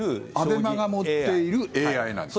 ＡＢＥＭＡが持っているＡＩなんですね。